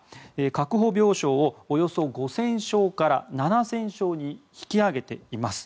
確保病床をおよそ５０００床から７０００床に引き上げています。